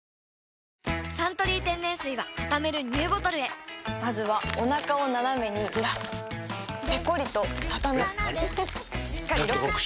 「サントリー天然水」はたためるＮＥＷボトルへまずはおなかをナナメにずらすペコリ！とたたむしっかりロック！